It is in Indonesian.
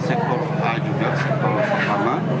sektor a juga sektor pertama